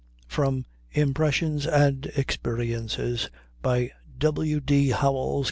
[From Impressions and Experiences, by W. D. Howells.